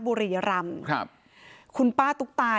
บุรียรรมคุณป้าตุ๊กตาเนี่ย